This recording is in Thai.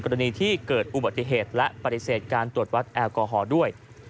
กรณีที่เกิดอุบัติเหตุและปฏิเสธการตรวจวัดแอลกอฮอล์ด้วย